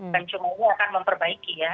pencungunya akan memperbaiki ya